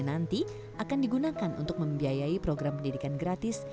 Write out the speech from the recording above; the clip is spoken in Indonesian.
nanti akan digunakan untuk membiayai program pendidikan gratis